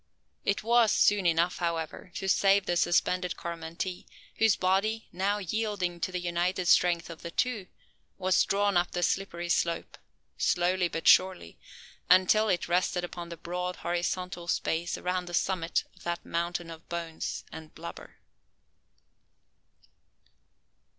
It was soon enough, however, to save the suspended Coromantee; whose body, now yielding to the united strength of the two, was drawn up the slippery slope, slowly, but surely, until it rested upon the broad horizontal space around the summit of that mountain of bones and blubber.